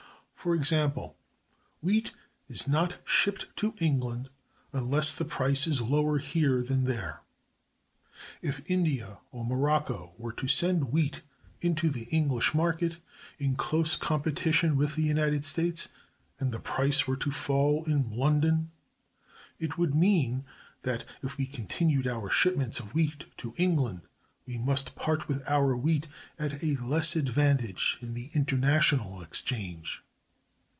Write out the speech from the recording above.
For example, wheat is not shipped to England unless the price is lower here than there. If India or Morocco were to send wheat into the English market in close competition with the United States, and the price were to fall in London, it would mean that, if we continued our shipments of wheat to England, we must part with our wheat at a less advantage in the international exchange.